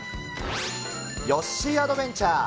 ヨッシー・アドベンチャー。